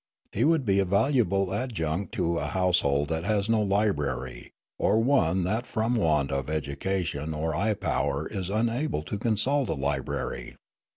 He would be a valuable adjunct to a household that has no library, or one that from want of education or eye power is unable to consult a librar}